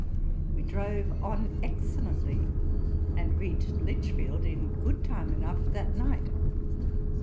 We drove on excellently, and reached Lichfield in good time enough that night.